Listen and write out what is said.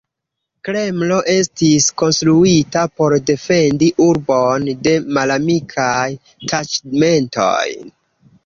Kremlo estis konstruita por defendi urbon de malamikaj taĉmentoj.